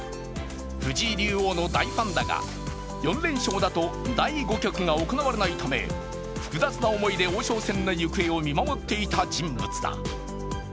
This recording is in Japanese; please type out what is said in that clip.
藤井竜王の大ファンだが、４連勝だと第５局が行われないため複雑な思いで王将戦の行方を見守っていた人物だ。